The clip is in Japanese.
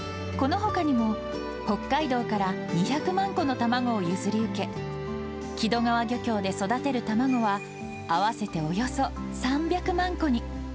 このほかにも、北海道から２００万個の卵を譲り受け、木戸川漁協で育てる卵は、合わせておよそ３００万個に。